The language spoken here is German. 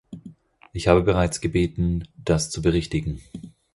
Ich habe bereits gebeten, das zu berichtigen.